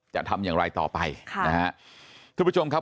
จะทำอย่างไรต่อไปค่ะนะฮะทุกผู้ชมครับ